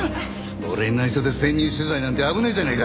俺に内緒で潜入取材なんて危ねえじゃねえか！